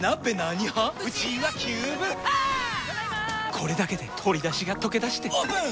これだけで鶏だしがとけだしてオープン！